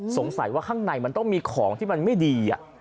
สงสัยว่าข้างในมันต้องมีของที่มันไม่ดี